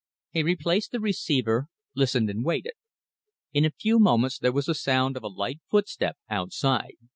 He replaced the receiver, listened and waited. In a few moments there was the sound of a light footstep outside.